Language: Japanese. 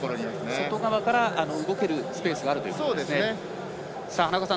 外側から動けるスペースがあるということですね。